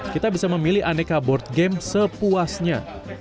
kita bisa memilih aneka board game sepuasnya